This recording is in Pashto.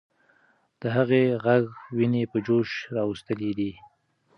د هغې ږغ ويني په جوش راوستلې دي.